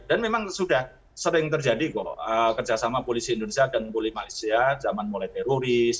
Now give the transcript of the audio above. dan memang sudah sering terjadi kok kerjasama polisi indonesia dan polisi malaysia zaman mulai teroris